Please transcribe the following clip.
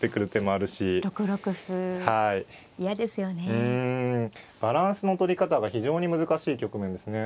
うんバランスのとり方が非常に難しい局面ですね。